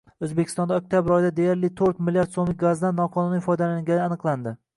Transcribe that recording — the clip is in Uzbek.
O‘zbekistonda oktabr oyida deyarlito´rtmlrd so‘mlik gazdan noqonuniy foydalanilgani aniqlandi